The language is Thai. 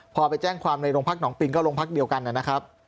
พอไปแจ้งความในโรงพักหนองปินก็โรงพักเดียวกันนะครับ